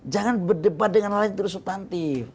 jangan berdebat dengan hal hal yang terlalu sustantif